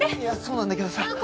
いやそうなんだけどさ。